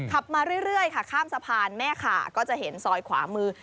ขับมาเรื่อยค่ะข้ามสะพานแม่ขาก็จะเห็นซอยขวามือ